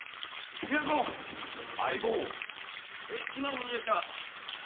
戻りました！